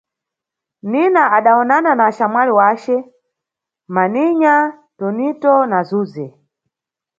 Nina adawonana na axamwali wace: Maninya, Tonito na Zuze.